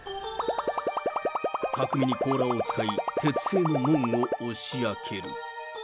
巧みに甲羅を使い、鉄製の門を押し開ける。